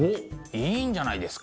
いいんじゃないですか？